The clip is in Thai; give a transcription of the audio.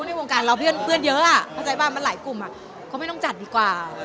ในวงการเราเพื่อนเยอะเข้าใจป่ะมันหลายกลุ่มก็ไม่ต้องจัดดีกว่า